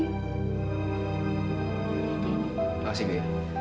terima kasih bi